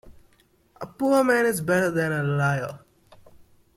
A poor man is better than a liar.